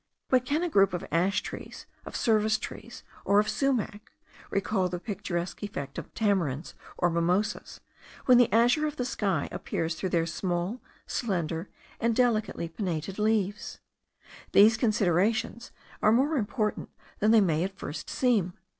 But can a group of ash trees, of service trees, or of sumach, recall the picturesque effect of tamarinds or mimosas, when the azure of the sky appears through their small, slender, and delicately pinnated leaves? These considerations are more important than they may at first seem.